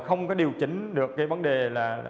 không có điều chỉnh được cái vấn đề là